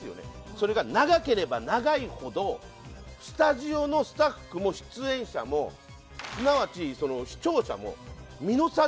それが長ければ長いほどスタジオのスタッフも出演者もすなわち視聴者もみのさん